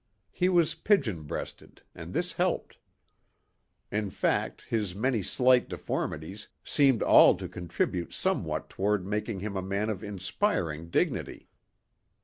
He was pigeon breasted and this helped. In fact his many slight deformities seemed all to contribute somehow toward making him a man of inspiring dignity.